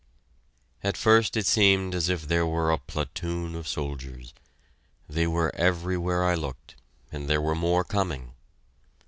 At first it seemed as if there were a platoon of soldiers: they were everywhere I looked, and there were more coming!